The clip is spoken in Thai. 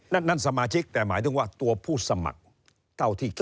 นั่นสมาชิกแต่หมายถึงว่าตัวผู้สมัครเท่าที่จะ